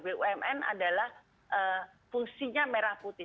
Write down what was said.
bumn adalah fungsinya merah putih